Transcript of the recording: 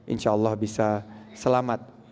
insya allah bisa selamat